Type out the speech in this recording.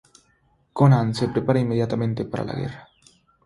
Conan se prepara inmediatamente para la guerra.